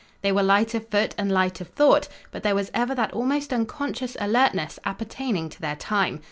They were light of foot and light of thought, but there was ever that almost unconscious alertness appertaining to their time.